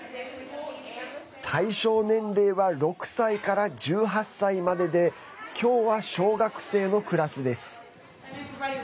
対象年齢は６歳から１８歳までで今日は小学生のクラスです。